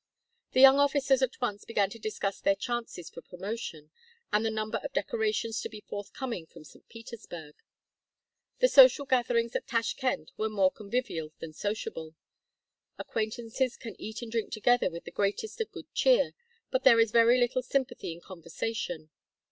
The young officers at once began to discuss their chances for promotion, and the number of decorations to be forthcoming from St. Petersburg. The social gatherings at Tashkend were more convivial than sociable. Acquaintances can eat and drink together with the greatest of good cheer, but there is very little sympathy in conversation.